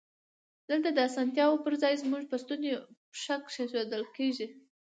دلته د اسانتیاوو پر ځای زمونږ په ستونی پښه کېښودل کیږی.